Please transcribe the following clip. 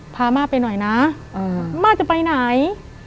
พาม่าไปหน่อยนะม่าจะไปไหน